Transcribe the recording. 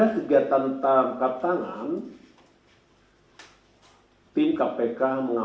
keuangan pemerintah kabupaten bogor dua ribu delapan belas dua ribu dua puluh tiga